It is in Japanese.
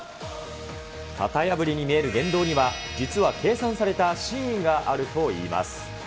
型破りに見える言動には、実は計算された真意があるといいます。